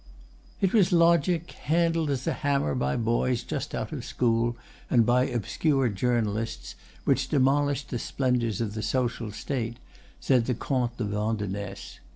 "It was logic, handled as a hammer by boys just out of school and by obscure journalists, which demolished the splendors of the social state," said the Comte de Vandenesse.